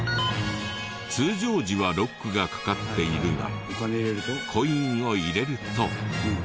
通常時はロックがかかっているがコインを入れると。